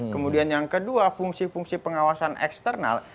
kemudian yang kedua fungsi fungsi pengawasan eksternal